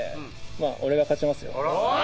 まあ、俺が勝ちますよ。